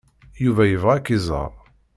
Yuba yebɣa ad k-iẓer.